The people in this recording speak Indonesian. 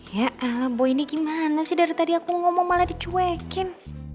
ya allah boy ini gimana sih dari tadi aku ngomong malah dicuekin